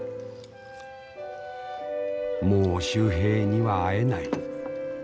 もう秀平には会えない。